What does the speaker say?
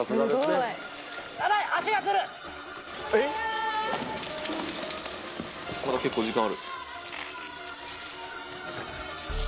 まだ結構時間ある。